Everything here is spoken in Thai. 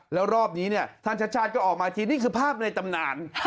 แล้วรอบนี้เนี่ยท่านชัดชาติก็ออกมาทีนี่คือภาพในตำนาน